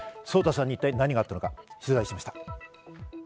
颯太さんに何があったのか取材しました。